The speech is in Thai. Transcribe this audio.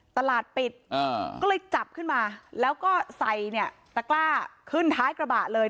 ตลาดปิดก็เลยจับขึ้นมาแล้วก็ใส่เนี่ยตะกล้าขึ้นท้ายกระบะเลย